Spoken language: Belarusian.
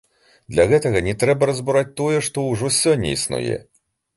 Для гэтага не трэба разбураць тое, што ўжо сёння існуе.